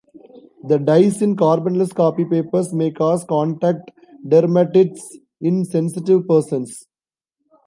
The dyes in carbonless copy papers may cause contact dermatitis in sensitive persons.